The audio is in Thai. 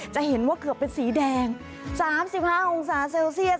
จะเห็นว่าเกือบเป็นสีแดง๓๕องศาเซลเซียส